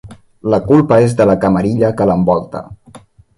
La culpa és de la camarilla que l'envolta.